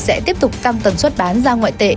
sẽ tiếp tục tăng tần suất bán ra ngoại tệ